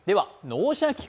「脳シャキ！